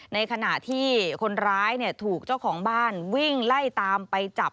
ในขณะที่คนร้ายถูกเจ้าของบ้านวิ่งไล่ตามไปจับ